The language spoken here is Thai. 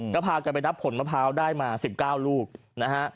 ก็พากันไปนับผลมะพร้าวได้มา๑๙ลูกนะฮะ